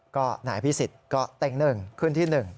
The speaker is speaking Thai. ก็นายอภิษฎิก็เต้นหนึ่งขึ้นที่หนึ่ง